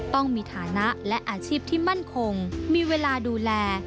ต้องมีฐานะและอาชีพที่มั่นคงมีเวลาดูแล